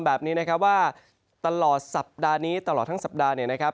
แบบนี้นะครับว่าตลอดสัปดาห์นี้ตลอดทั้งสัปดาห์เนี่ยนะครับ